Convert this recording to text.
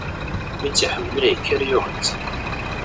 Mi i tt-iḥemmel, yekker yuɣ-itt.